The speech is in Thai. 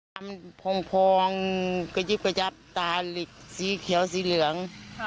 พองกระยิบกระยับตาเหล็กสีเขียวสีเหลือง